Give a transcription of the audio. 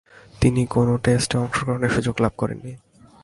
তিনি কোন টেস্টে অংশগ্রহণের সুযোগ লাভ করেননি।